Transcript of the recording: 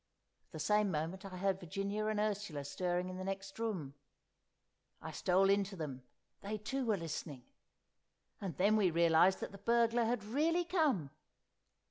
At the same moment I heard Virginia and Ursula stirring in the next room. I stole in to them; they too were listening. And then we realised that the burglar had really come!